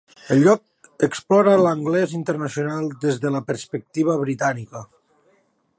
El lloc explora l'anglès internacional des de la perspectiva britànica.